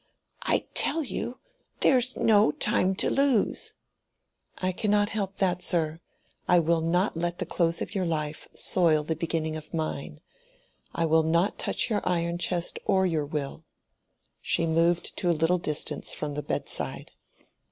"I tell you, there's no time to lose." "I cannot help that, sir. I will not let the close of your life soil the beginning of mine. I will not touch your iron chest or your will." She moved to a little distance from the bedside.